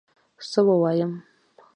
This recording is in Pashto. څه ووایم